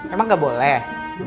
emang gak boleh